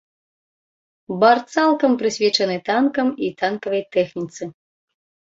Бар цалкам прысвечаны танкам і танкавай тэхніцы.